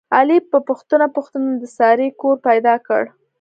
علي په پوښته پوښتنه د سارې کور پیدا کړ.